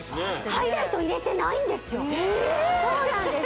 ハイライト入れてないんですよええそうなんです